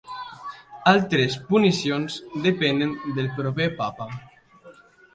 Altres punicions depenen del proper Papa.